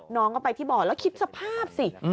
น้องก็ไปที่บ่อแล้วคิดสภาพสิ